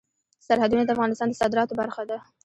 سرحدونه د افغانستان د صادراتو برخه ده.